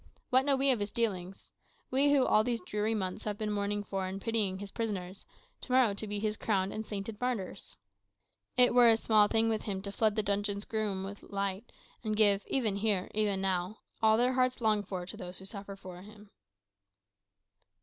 What know we of his dealings? we who all these dreary months have been mourning for and pitying his prisoners, to morrow to be his crowned and sainted martyrs? It were a small thing with him to flood the dungeon's gloom with light, and give even here, even now all their hearts long for to those who suffer for him."